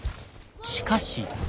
しかし。